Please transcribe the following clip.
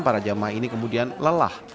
para jamaah ini kemudian lelah